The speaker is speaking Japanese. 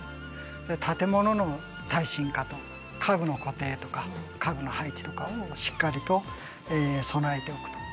建物の耐震化と家具の固定とか家具の配置とかをしっかりと備えておくと。